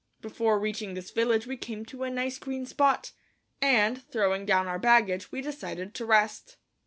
Before reaching this village we came to a nice green spot, and, throwing down our baggage, we decided to rest.